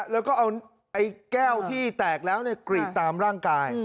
แล้วก็เอาแก้วที่แตกแล้วกรีดตามร่างกาย